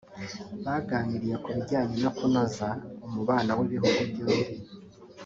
baganiriye ku bijyanye no kunoza umubano w’ibihugu byombi